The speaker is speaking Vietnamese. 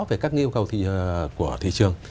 về các yêu cầu của thị trường